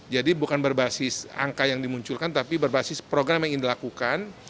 jadi bukan berbasis angka yang dimunculkan tapi berbasis program yang ingin dilakukan